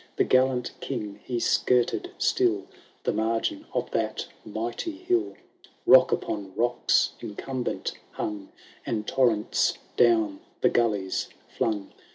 The gallant King he skirted still The margin of that mighty hill ; Rock upon locks incumbent hung, And torrents, down the gullies flung.